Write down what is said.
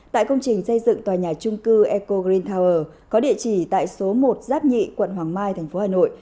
tại công trình xây dựng tòa nhà trung cư eco green tower có địa chỉ tại số một giáp nhị quận hoàng mai tp hà nội